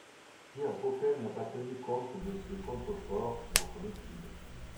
Pierre Coquelle n'a pas tenu compte de ces contreforts dans son étude.